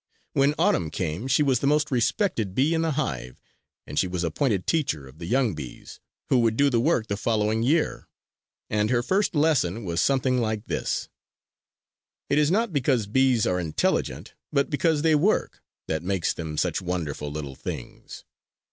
When Autumn came she was the most respected bee in the hive and she was appointed teacher of the young bees who would do the work the following year. And her first lesson was something like this: "It is not because bees are intelligent but because they work that makes them such wonderful little things.